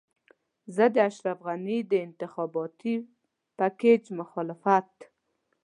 زه د اشرف غني د انتخاباتي پېکج مخالفت.